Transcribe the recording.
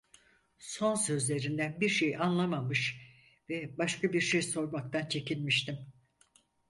Son sözlerinden bir şey anlamamış ve başka bir şey sormaktan çekinmiştim.